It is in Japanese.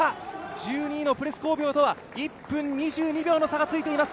１２位のプレス工業とは１分２２秒の差がついています。